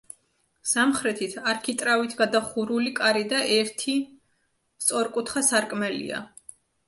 სამხრეთით არქიტრავით გადახურული კარი და ერთი სწორკუთხა სარკმელია.